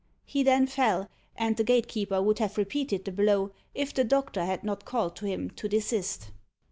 He then fell, and the gatekeeper would have repeated the blow, if the doctor had not called to him to desist.